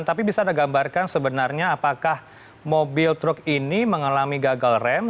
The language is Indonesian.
tapi bisa anda gambarkan sebenarnya apakah mobil truk ini mengalami gagal rem